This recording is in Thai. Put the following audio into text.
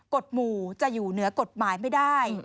หมู่จะอยู่เหนือกฎหมายไม่ได้